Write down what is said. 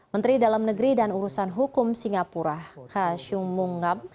menteri dalam negeri dan urusan hukum singapura khashung mungab